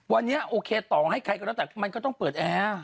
วันนี้โอเคต่อให้ใครก็แล้วแต่มันก็ต้องเปิดแอร์